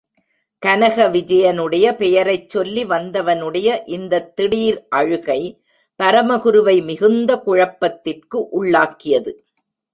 கனக விஜயனுடைய பெயரைச் சொல்லி வந்தவனுடைய இந்த திடீர் அழுகை பரமகுருவை மிகுந்த குழப்பத்திற்கு உள்ளாக்கியது.